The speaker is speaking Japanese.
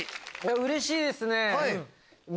うれしいですね。